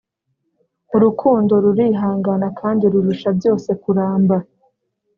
urukundo rurihangana kandi rurusha byose kuramba